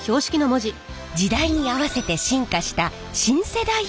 時代に合わせて進化した新世代標識。